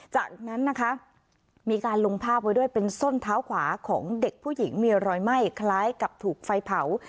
จากนั้นนะคะมีการลงภาพไว้ด้วยเป็นส้นเท้าขวาของเด็กผู้หญิงมีรอยไหม้คล้ายกับถูกไฟเผา